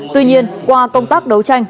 tuy nhiên qua công tác đấu tranh